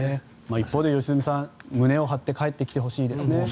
一方で、良純さん胸を張って帰ってきてほしいですね。